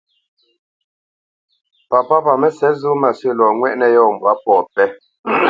Papá pa Mə́sɛ̌t zó mâsə̂ lɔ ŋwɛ́ʼnə̄ yɔ̂ mbwǎ pɔ̂ pɛ́.